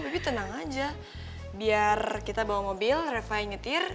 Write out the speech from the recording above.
bi tenang aja biar kita bawa mobil reva nyetir